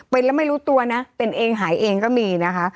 เป็นแล้วไม่รู้ตัวนะเป็นเองหายเองก็มีนะคะ